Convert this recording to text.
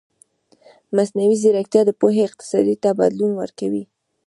مصنوعي ځیرکتیا د پوهې اقتصاد ته بدلون ورکوي.